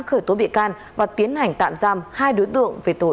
khởi tố bị can và tiến hành tạm giam hai đối tượng về tội